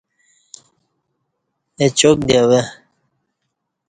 اچاک دی اوہ۔